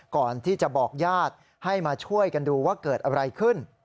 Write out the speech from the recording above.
ก่อนที่จะบอกญาติให้มาช่วยกันดูว่าเกิดอะไรขึ้น